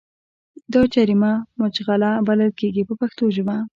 دا جریمه مچلغه بلل کېږي په پښتو ژبه.